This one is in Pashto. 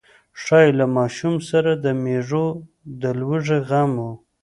ښايي له ماشوم سره د مېږو د لوږې غم و.